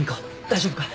大丈夫か？